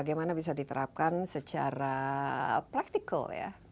bagaimana bisa diterapkan secara praktikal ya